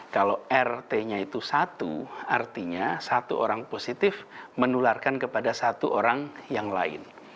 kalau rt nya itu satu artinya satu orang positif menularkan kepada satu orang yang lain